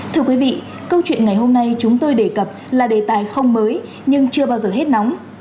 thưa quý vị câu chuyện ngày hôm nay chúng tôi đề cập là đề tài không mới nhưng chưa bao giờ hết nóng